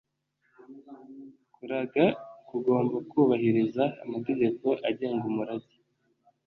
kuraga kugomba kubahiriza amategeko agenga umurage